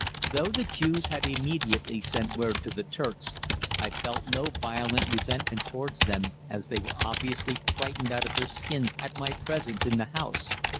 Though the Jews had immediately sent word to the Turks, I feel no violent resentment towards them, as they were obviously frightened out of their skins at my presence in the house.